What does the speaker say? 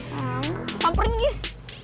hmm pampernya gitu